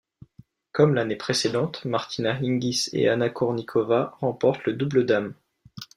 Comme l'année précédente, Martina Hingis et Anna Kournikova remportent le double dames.